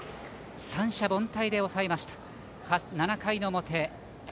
三者凡退で抑えました、７回の表。